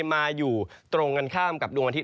มาอยู่ตรงกันข้ามกับดวงอาทิต